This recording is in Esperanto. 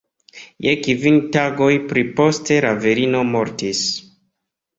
Je kvin tagoj pli poste la virino mortis.